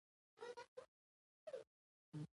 کروندګر باید د ځمکې حاصلخیزي ته ځانګړې پاملرنه وکړي.